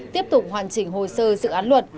tiếp tục hoàn chỉnh hồ sơ dự án luật